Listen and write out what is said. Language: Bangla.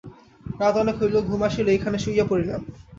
রাত অনেক হইল, ঘুম আসিল, এইখানেই শুইয়া পড়িলাম।